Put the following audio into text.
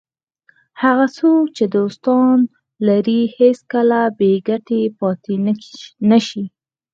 هغه څوک چې دوستان لري هېڅکله بې ګټې پاتې نه شي.